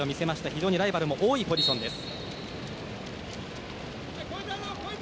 非常にライバルも多いポジションです。